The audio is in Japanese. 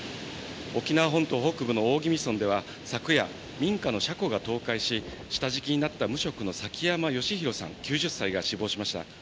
沖縄本島北部の大宜味村では昨夜、民家の車庫が倒壊し、下敷きになった無職の崎山喜弘さん、９０歳が死亡しました。